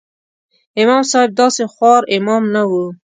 امام صاحب داسې خوار امام نه و.